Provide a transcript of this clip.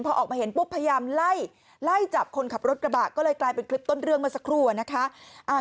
พอออกมาเห็นปุ๊บพยายามไล่ไล่จับคนขับรถกระบะก็เลยกลายเป็นคลิปต้นเรื่องเมื่อสักครู่อะนะคะ